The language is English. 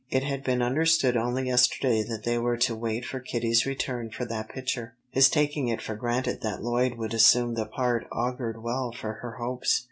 It had been understood only yesterday that they were to wait for Kitty's return for that picture. His taking it for granted that Lloyd would assume the part augured well for her hopes.